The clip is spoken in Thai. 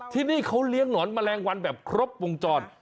ที่นี่เขาเลี้ยงหนอนแมลงวันแบบครบวงจร